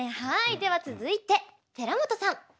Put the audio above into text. では続いて田中さん。